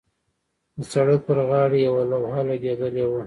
د سړک پر غاړې یوه لوحه لګېدلې وه.